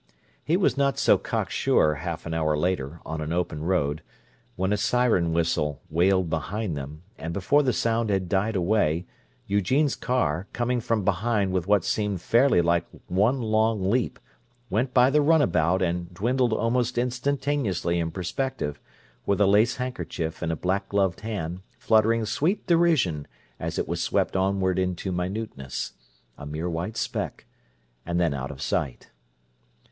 He was not so cocksure, half an hour later, on an open road, when a siren whistle wailed behind him, and before the sound had died away, Eugene's car, coming from behind with what seemed fairly like one long leap, went by the runabout and dwindled almost instantaneously in perspective, with a lace handkerchief in a black gloved hand fluttering sweet derision as it was swept onward into minuteness—a mere white speck—and then out of sight.